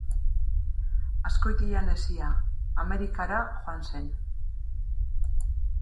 Azkoitian hezia, Amerikara joan zen.